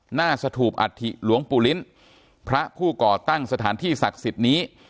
หน้าสถูปอัฐิหลวงปู่ลิ้นพระผู้ก่อตั้งสถานที่ศักดิ์สิทธิ์นี้